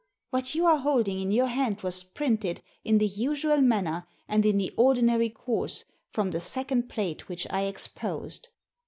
What you are holding in your hand was printed, in the usual manner and in the ordinary course, from the second plate which I exposed."